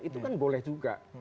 itu kan boleh juga